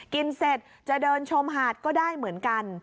เสร็จจะเดินชมหาดก็ได้เหมือนกัน